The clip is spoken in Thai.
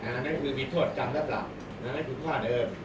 นั่นคือมีโทษกันและตรับนั่นคือค่าเดิม